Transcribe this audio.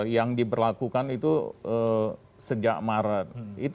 yang diberlakukan itu sejak maret